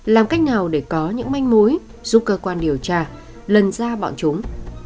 làm cách nào để có những manh mối giúp cơ quan điều tra lần ra bọn chúng